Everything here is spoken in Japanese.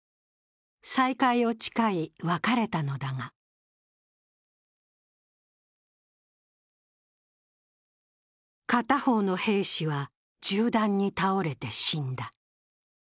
再会を誓い別れたのだが片方の兵士は銃弾に倒れて死んだ。